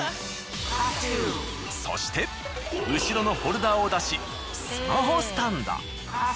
そして後ろのホルダーを出しスマホスタンド。